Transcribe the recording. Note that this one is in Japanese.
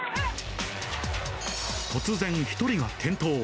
突然、１人が転倒。